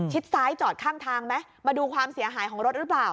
ซ้ายจอดข้างทางไหมมาดูความเสียหายของรถหรือเปล่า